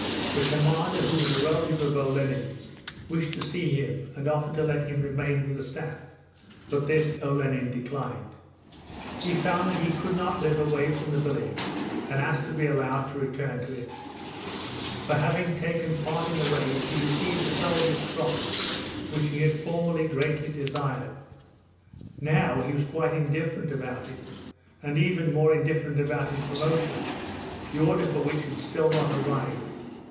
The commander, who was a relative of Olenin's, wished to see him and offered to let him remain with the staff, but this Olenin declined. He found that he could not live away from the village, and asked to be allowed to return to it. For having taken part in the raid he received a soldier's cross, which he had formerly greatly desired. Now he was quite indifferent about it, and even more indifferent about his promotion, the order for which had still not arrived.